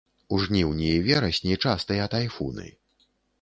У жніўні і верасні частыя тайфуны.